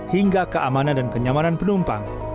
hingga keamanan dan kenyamanan penumpang